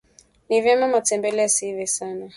ni vyema matembele yasiive sana